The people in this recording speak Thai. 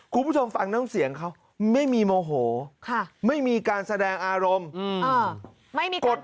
คุณผู้ชมฟังน้ำเสียงเขาไม่มีโมโหไม่มีการแสดงอารมณ์ไม่มีกฎ